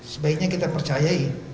sebaiknya kita percayai